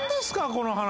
この話。